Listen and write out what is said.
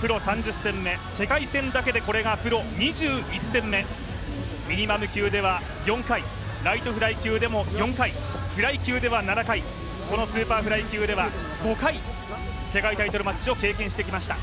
プロ３０戦目、世界戦だけでこれプロ２１戦目、ミニマム級では４回、ライトフライ級でも４回、フライ級では７回、このスーパーフライ級では５回世界タイトルマッチを経験してきました。